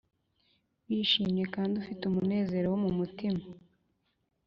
wishimye kandi ufite umunezero+ wo mu mutima,